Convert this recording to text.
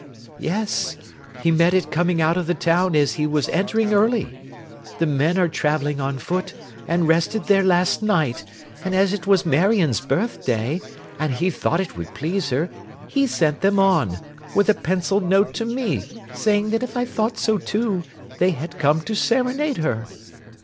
'Yes. He met it coming out of the town as he was entering early. The men are travelling on foot, and rested there last night; and as it was Marion's birth day, and he thought it would please her, he sent them on, with a pencilled note to me, saying that if I thought so too, they had come to serenade her.